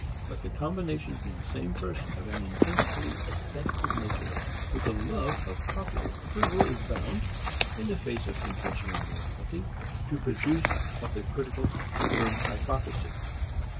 But the combination in the same person of an intensely executive nature with a love of popular approval is bound, in the face of conventional morality, to produce what the critical term hypocrisy.